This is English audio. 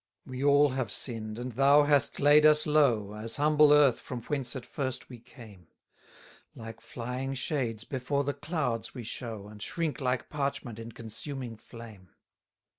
266 We all have sinn'd, and thou hast laid us low, As humble earth from whence at first we came: Like flying shades before the clouds we show, And shrink like parchment in consuming flame.